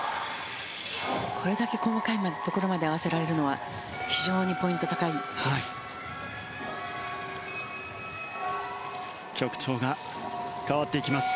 これだけ細かいところまで合わせられるのは非常にポイント高いです。